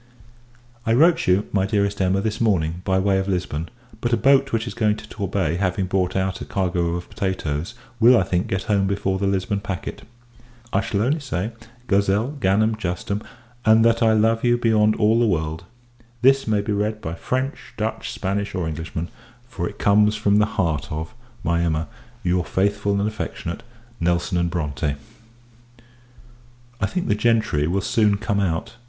I wrote you, my Dearest Emma, this morning, by way of Lisbon; but a boat, which is going to Torbay, having brought out a cargo of potatoes, will I think get home before the Lisbon packet. I shall only say Guzelle Gannam Justem and that I love you beyond all the world! This may be read by French, Dutch, Spanish, or Englishmen; for it comes from the heart of, my Emma, your faithful and affectionate NELSON & BRONTE. I think the gentry will soon come out.